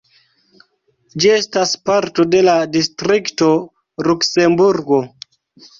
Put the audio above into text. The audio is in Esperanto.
Ĝi estas parto de la distrikto Luksemburgo.